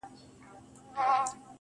لکه نغمه لکه سيتار خبري ډيري ښې دي.